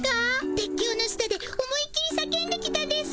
鉄橋の下で思いっきり叫んできたです。